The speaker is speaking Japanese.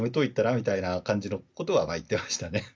みたいな感じのことは言ってましたね。